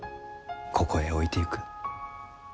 ここへ置いてゆく。